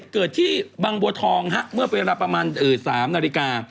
เกิดที่บางบัวทองเมื่อเวลาประมาณ๓นาฬิกา